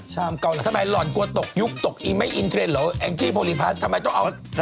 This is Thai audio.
ชามเก้าเหลวทำไมหล่อนกลัวตก